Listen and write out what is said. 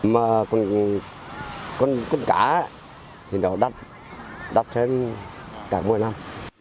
mà con cá thì nó đắt đắt hơn cả mùa năm